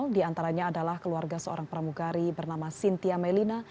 diantaranya adalah keluarga seorang pramugari bernama sintia melina